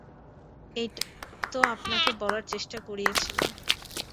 এটাই তো আপনাকে বলার চেষ্টা করছিলাম।